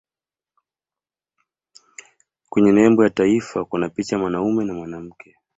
kwenye nembo ya taifa kuna picha ya mwanaume na mwanamke